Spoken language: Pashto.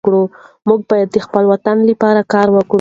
موږ باید د خپل وطن لپاره کار وکړو.